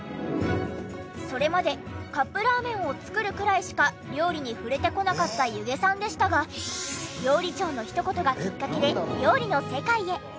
それまでカップラーメンを作るくらいしか料理に触れてこなかった弓削さんでしたが料理長のひと言がきっかけで料理の世界へ。